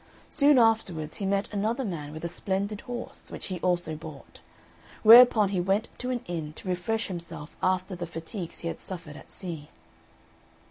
Soon afterwards he met another man with a splendid horse, which he also bought; whereupon he went to an inn to refresh himself after the fatigues he had suffered at sea.